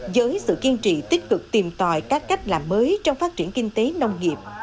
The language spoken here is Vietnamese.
với sự kiên trì tích cực tìm tòi các cách làm mới trong phát triển kinh tế nông nghiệp